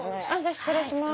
失礼します。